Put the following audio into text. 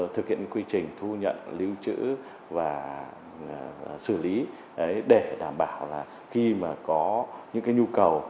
thực hiện quy trình thu nhận lưu trữ và xử lý để đảm bảo là khi mà có những cái nhu cầu